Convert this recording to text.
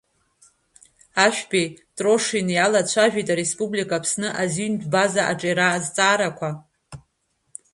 Ашәбеи Трошини алацәажәеит Ареспублика Аԥсны азинтә база аҿиара азҵаарақәа.